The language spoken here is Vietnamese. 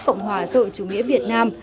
cộng hòa rội chủ nghĩa việt nam